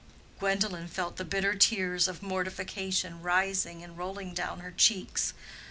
Gwendolen felt the bitter tears of mortification rising and rolling down her cheeks.